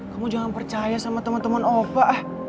kamu jangan percaya sama temen temen opa